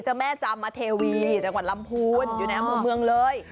เจ้าแม่จามเทวีจังหวัดลำพูนอยู่ในอำเภอเมืองเลย